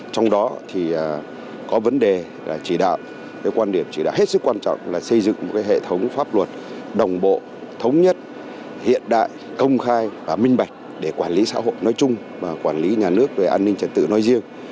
trong đó thì có vấn đề là chỉ đạo quan điểm chỉ đạo hết sức quan trọng là xây dựng một hệ thống pháp luật đồng bộ thống nhất hiện đại công khai và minh bạch để quản lý xã hội nói chung và quản lý nhà nước về an ninh trật tự nói riêng